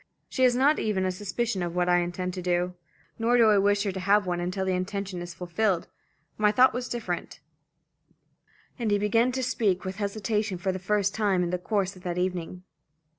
She has not even a suspicion of what I intend to do. Nor do I wish her to have one until the intention is fulfilled. My thought was different" and he began to speak with hesitation for the first time in the course of that evening.